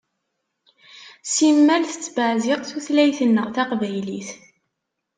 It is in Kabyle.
Simmal tettbeɛziq tutlayt-nneɣ taqbaylit.